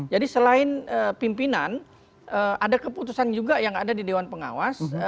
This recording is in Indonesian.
jadi selain pimpinan ada keputusan juga yang ada di dewan pengawas